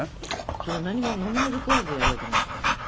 それ何も飲まず食わずでやるわけないじゃない。